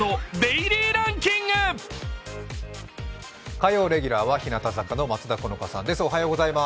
火曜レギュラーは日向坂の松田好花ちゃんです。